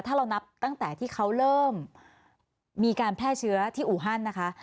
ถ้าเรานับตั้งแต่ที่เขาเริ่มมีการแพร่เชื้อที่อูฮันนะคะ